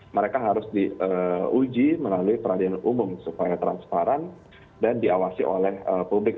mereka harus diuji melalui peradilan umum supaya transparan dan diawasi oleh publik